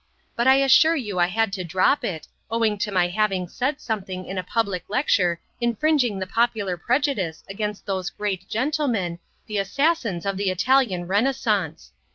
But I assure you I had to drop it, owing to my having said something in a public lecture infringing the popular prejudice against those great gentlemen, the assassins of the Italian Renaissance.